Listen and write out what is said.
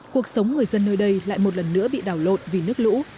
cuộc sống người dân nơi đây lại một lần nữa bị đảo lộn vì nước lũ